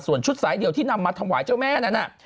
ส่วนชุดสายเดี่ยวที่นำมาถวายเจ้าแม่นั้นน่ะ